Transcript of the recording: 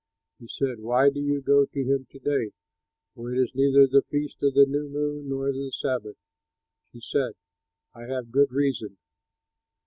He said, "Why do you go to him to day, for it is neither the feast of the new moon nor the sabbath?" She said, "I have good reason."